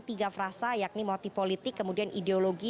tiga frasa yakni multipolitik kemudian ideologi